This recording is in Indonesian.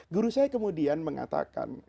guru saya kemudian mengatakan